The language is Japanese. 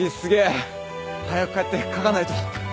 早く帰って書かないと！